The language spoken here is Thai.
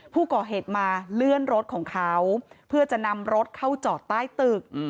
ผู้ก่อเหตุมาเลื่อนรถของเขาเพื่อจะนำรถเข้าจอดใต้ตึก